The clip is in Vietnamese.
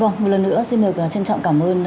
vâng một lần nữa xin được trân trọng cảm ơn